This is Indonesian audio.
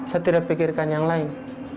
saya tidak pikirkan yang lain